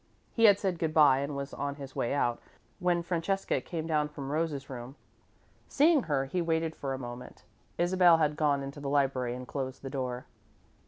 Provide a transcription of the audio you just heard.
He had said good bye and was on his way out, when Francesca came down from Rose's room. Seeing her, he waited for a moment. Isabel had gone into the library and closed the door.